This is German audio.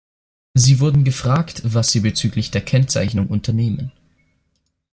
Sie wurden gefragt, was Sie bezüglich der Kennzeichnung unternehmen.